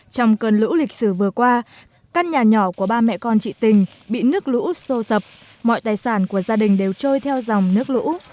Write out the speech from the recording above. trong cơn lũ lịch sử vừa qua căn nhà nhỏ của ba mẹ con chị tình bị nước lũ sô dập mọi tài sản của gia đình đều trôi theo dòng nước lũ